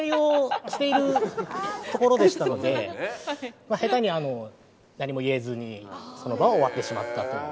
まあ下手に何も言えずにその場は終わってしまったという。